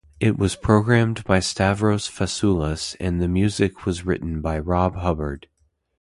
It was programmed by Stavros Fasoulas and the music was written by Rob Hubbard.